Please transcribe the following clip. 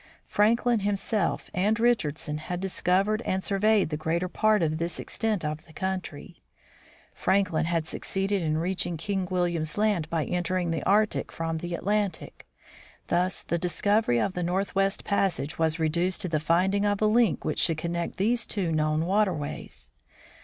Franklin himself and Richardson had discovered and sur veyed the greater part of this extent of country. Franklin had succeeded in reaching King William's Land by entering the Arctic from the Atlantic. Thus the discovery of the northwest passage was reduced to the finding of a link which should connect these two known waterways.